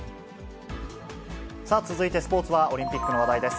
さあ続いてスポーツは、オリンピックの話題です。